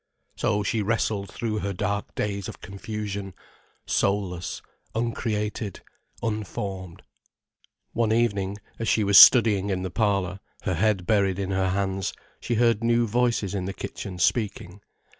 So she wrestled through her dark days of confusion, soulless, uncreated, unformed. One evening, as she was studying in the parlour, her head buried in her hands, she heard new voices in the kitchen speaking.